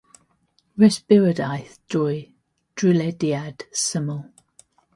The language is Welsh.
Resbiradaeth drwy drylediad syml.